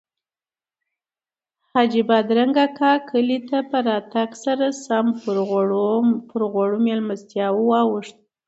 حاجي بادرنګ اکا کلي ته په راتګ سره سم پر غوړو میلمستیاوو واوښت.